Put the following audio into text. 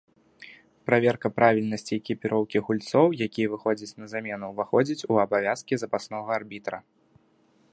Праверка правільнасці экіпіроўкі гульцоў, якія выходзяць на замену, уваходзіць у абавязкі запаснога арбітра.